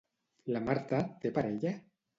La Marta té parella?